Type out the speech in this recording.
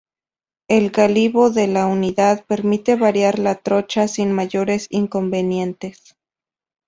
El gálibo de la unidad permite variar la trocha sin mayores inconvenientes.